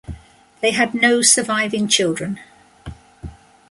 They had no surviving children.